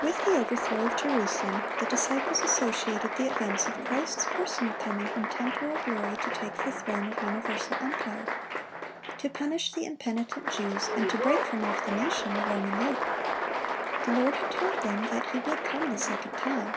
(30) With the overthrow of Jerusalem the disciples associated the events of Christ's personal coming in temporal glory to take the throne of universal empire, to punish the impenitent Jews, and to break from off the nation the Roman yoke. The Lord had told them that He would come the second time.